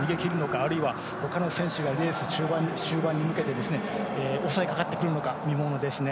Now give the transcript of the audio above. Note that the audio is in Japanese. あるいは、ほかの選手が後半に向けて抑えてくるか見ものですね。